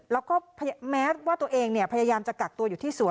แล้วก็แม้ว่าตัวเองพยายามจะกักตัวอยู่ที่สวน